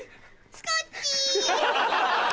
スコッチ！